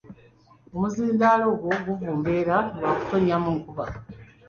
Omuzindaalo ogwo guvumbeera lwa kutonnyamu nkuba.